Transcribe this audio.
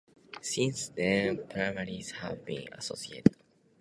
Since then the premiers have been associated with political parties.